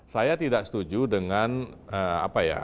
saya tidak setuju dengan apa ya